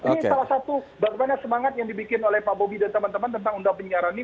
ini salah satu bagaimana semangat yang dibikin oleh pak bobi dan teman teman tentang undang penyiaran ini